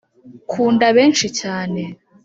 kunda benshi cyane